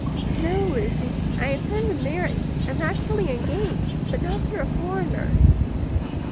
"No, Lucy; I intend to marry; am actually engaged, but not to a foreigner."